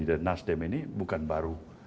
dan nasdem ini bukan baru